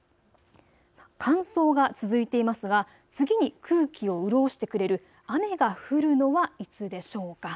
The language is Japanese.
乾燥が続いていますが次に空気を潤してくれる雨が降るのはいつでしょうか。